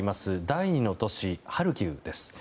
第２の都市ハルキウです。